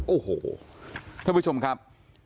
โอ้โหท่านผู้ชมครับ